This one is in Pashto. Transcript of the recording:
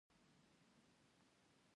واوره د افغانستان د پوهنې نصاب کې شامل دي.